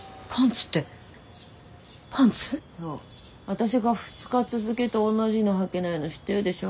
私が２日続けて同じのはけないの知ってるでしょ。